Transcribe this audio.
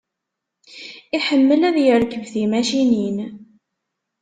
Iḥemmel ad yerkeb timacinin.